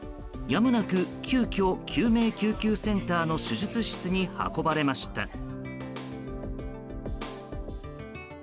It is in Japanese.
やむなく急きょ救命救急センターの手術室に運ばれました。